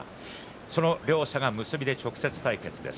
その両者が結びで直接対決です。